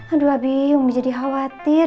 aduh abi umi jadi khawatir